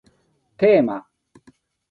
テーマ